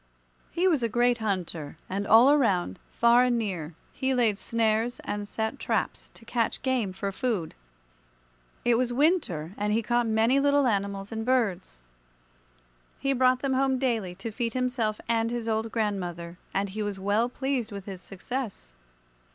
He was a great hunter, and all around, far and near, he laid snares and set traps to catch game for food. It was winter, and he caught many little animals and birds. He brought them home daily to feed himself and his old grandmother, and he was well pleased with his success.